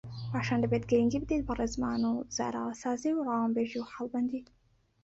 پاشان دەبێت گرنگی بدەیت بە ڕێزمان و زاراوەسازی و ڕەوانبێژی و خاڵبەندی